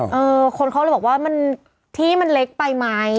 เออคนเขาเลยบอกว่ามันที่มันเล็กไปไหม